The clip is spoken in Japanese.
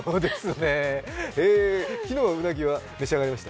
昨日、うなぎは召し上がりました？